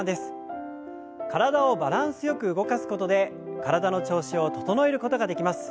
体をバランスよく動かすことで体の調子を整えることができます。